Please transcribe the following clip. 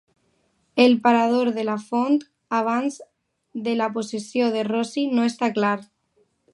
El parador de la font abans de la possessió de Rossi no està clar.